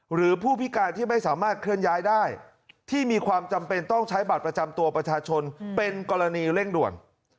หรือผู้พิการที่ไม่สามารถเคลื่อนย้ายได้ที่มีความจำเป็นต้องใช้บัตรประจำตัวประชาชนเป็นกรณีเร่งด่วน